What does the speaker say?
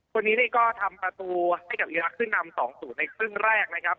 คนนี้นี่ก็ทำประตูให้กับอีรักษ์ขึ้นนำ๒๐ในครึ่งแรกนะครับ